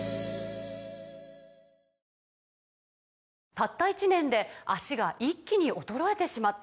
「たった１年で脚が一気に衰えてしまった」